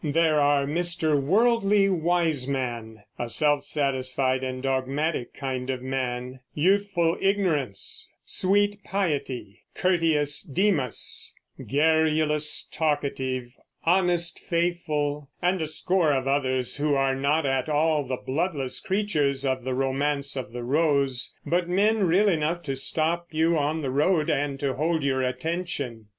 There are Mr. Worldly Wiseman, a self satisfied and dogmatic kind of man, youthful Ignorance, sweet Piety, courteous Demas, garrulous Talkative, honest Faithful, and a score of others, who are not at all the bloodless creatures of the Romance of the Rose, but men real enough to stop you on the road and to hold your attention.